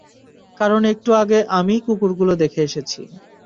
কারণ একটু আগে আমিই কুকুর গুলোকে দেখে এসেছি।